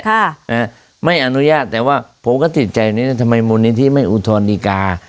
ค่ะอ่าไม่อนุญาตแต่ว่าผมก็ติดใจนี้ทำไมมูลนิธิไม่อุทธรณดีการ์